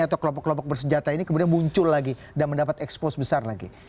atau kelompok kelompok bersenjata ini kemudian muncul lagi dan mendapat expose besar lagi